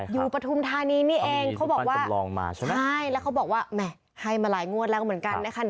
อยู่ประธุมธานีนี่เองเขาบอกว่าใช่แล้วเขาบอกว่าแหม่ให้มารายงวดแล้วเหมือนกันนะคะ